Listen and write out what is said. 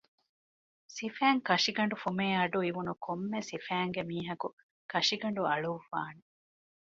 ސިފައިން ކަށިގަނޑު ފުމޭ އަޑު އިވުނު ކޮންމެ ސިފައިންގެ މީހަކު ކަށިގަނޑު އަޅުއްވާނެ